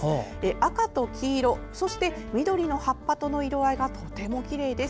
赤と黄色そして緑の葉っぱとの色合いがとてもきれいです。